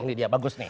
ini dia bagus nih